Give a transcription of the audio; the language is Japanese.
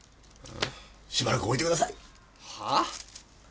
しばらく置いてくださいはあ？